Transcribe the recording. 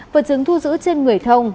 vật chứng thu giữ trên người thông